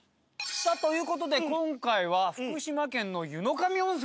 さあという事で今回は福島県の湯野上温泉。